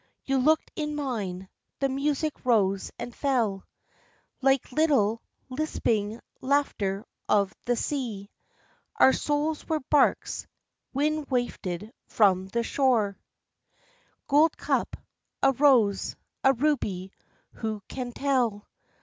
You looked in mine, the music rose and fell Like little, lisping laughter of the sea; Our souls were barks, wind wafted from the shore Gold cup, a rose, a ruby, who can tell?